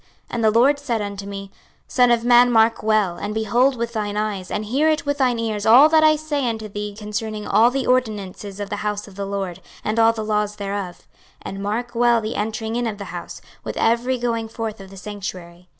26:044:005 And the LORD said unto me, Son of man, mark well, and behold with thine eyes, and hear with thine ears all that I say unto thee concerning all the ordinances of the house of the LORD, and all the laws thereof; and mark well the entering in of the house, with every going forth of the sanctuary.